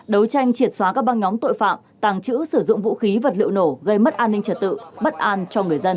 đấu tranh triệt xóa các băng nhóm tội phạm tàng trữ sử dụng vũ khí vật liệu nổ gây mất an ninh trật tự bất an cho người dân